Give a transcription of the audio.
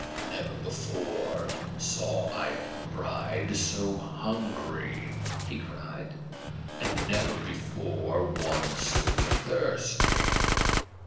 "Never before saw I a bride so hungry," he cried, "and never before one half so thirsty!"